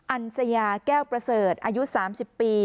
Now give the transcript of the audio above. อันสยาแก้วประเสริฐอายุ๓๐ปี